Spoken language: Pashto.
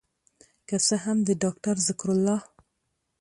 که څه هم د داکتر ذکر الله